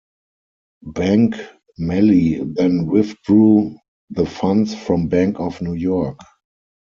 Bank Melli then withdrew the funds from Bank of New York.